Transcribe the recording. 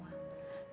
namanya remember me